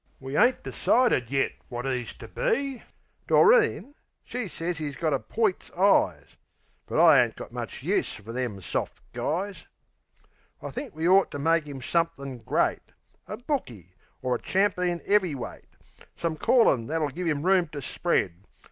We ain't decided yet wot 'e's to be. Doreen, she sez 'e's got a poit's eyes; But I ain't got much use fer them soft guys. I think we ort to make 'im something great A bookie, or a champeen'eavy weight: Some callin' that'll give 'im room to spread.